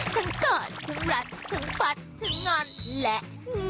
ทั้งกรทั้งรักทั้งฟัดทั้งงอนและง้อ